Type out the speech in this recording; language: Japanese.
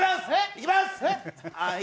いきます！